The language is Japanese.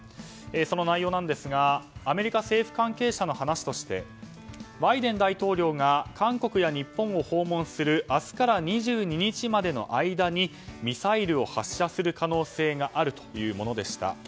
その内容なんですがアメリカ政府関係者の話としてバイデン大統領が韓国や日本を訪問する明日から２２日までの間にミサイルを発射する可能性があるというものでした。